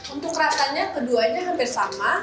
untuk rasanya keduanya hampir sama